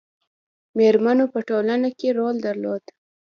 میرمنو په ټولنه کې رول درلود